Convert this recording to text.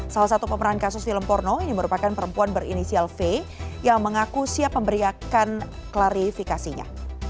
salah satu pemeran kasus film porno ini merupakan perempuan berinisial v yang mengaku siap memberikan klarifikasinya